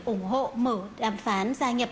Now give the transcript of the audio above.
ổng hộ mở đàm phán gia nhập